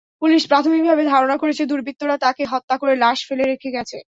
Police প্রাথমিকভাবে ধারণা করছে, দুর্বৃত্তরা তাঁকে হত্যা করে লাশ ফেলে রেখে গেছে।